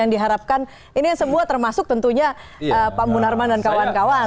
yang diharapkan ini semua termasuk tentunya pak munarman dan kawan kawan